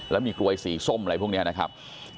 แล้วมีกลวยสีส้มอะไรพวกนี้นะครับ